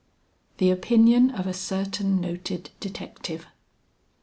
THE OPINION OF A CERTAIN NOTED DETECTIVE.